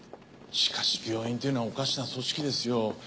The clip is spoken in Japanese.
しかし病院というのはおかしな組織ですよ。